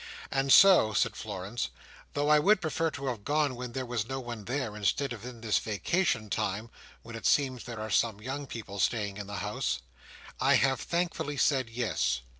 "And so," said Florence, "though I would prefer to have gone when there was no one there, instead of in this vacation time, when it seems there are some young people staying in the house, I have thankfully said yes."